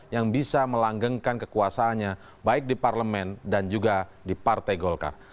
yang bisa melanggengkan kekuasaannya baik di parlemen dan juga di partai golkar